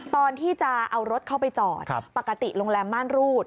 ตอนที่จะเอารถเข้าไปจอดปกติโรงแรมม่านรูด